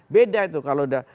beda itu kalau